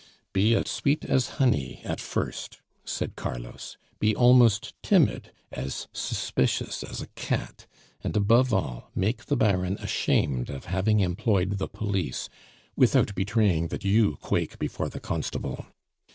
"Be as sweet as honey at first," said Carlos; "be almost timid, as suspicious as a cat; and, above all, make the Baron ashamed of having employed the police, without betraying that you quake before the constable.